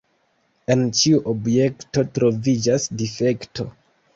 En ĉiu objekto troviĝas difekto.